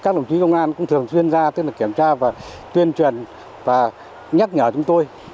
các đồng chí công an cũng thường xuyên ra kiểm tra tuyên truyền và nhắc nhở chúng tôi